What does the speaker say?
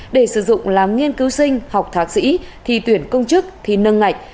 để sử dụng làm nghiên cứu sinh học thạc sĩ thi tuyển công chức thi nâng ngạch